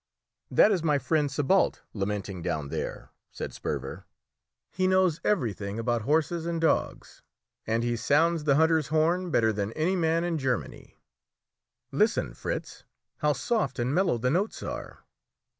"That is my friend Sébalt lamenting down there," said Sperver. "He knows everything about horses and dogs, and he sounds the hunter's horn better than any man in Germany. Listen, Fritz, how soft and mellow the notes are!